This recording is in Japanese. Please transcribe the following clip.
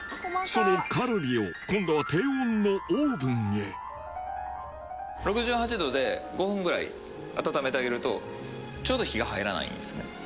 そのカルビを今度は低温のオーブンへ６８度で５分ぐらい温めてあげると丁度火が入らないんですね。